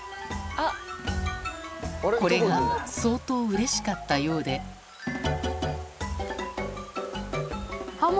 これが相当うれしかったようであっ